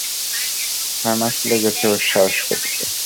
ছয় মাস লেগেছে, ওর সাহস করতে!